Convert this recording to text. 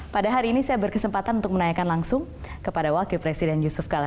pada hari ini saya berkesempatan untuk menanyakan langsung kepada wakil presiden yusuf kala